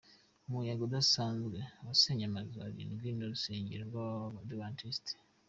Umuyaga udasanzwe wasenye amazu arindwi n’urusengero rw’abadivantisiti